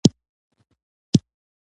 سوله او یووالی د هیواد د پرمختګ ضامن دی.